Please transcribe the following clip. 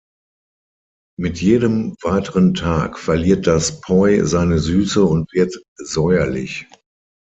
Mit jedem weiteren Tag verliert das Poi seine Süße und wird säuerlich.